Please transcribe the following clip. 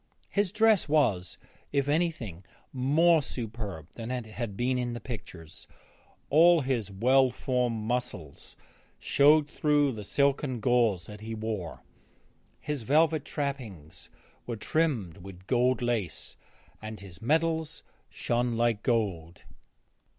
His dress was, if anything, more superb than it had been in the pictures; all his well formed muscles showed through the silken gauze that he wore. His velvet trappings were trimmed with gold lace and his medals shone like gold.